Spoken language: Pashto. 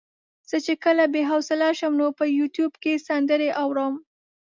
زه چې کله بې حوصلې شم نو په يوټيوب کې سندرې اورم.